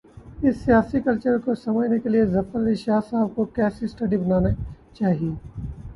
اس سیاسی کلچر کو سمجھنے کے لیے، ظفر علی شاہ صاحب کو "کیس سٹڈی" بنا نا چاہیے۔